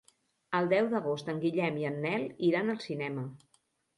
El deu d'agost en Guillem i en Nel iran al cinema.